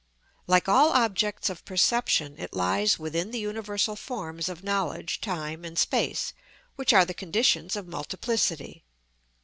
Like all objects of perception, it lies within the universal forms of knowledge, time and space, which are the conditions of multiplicity.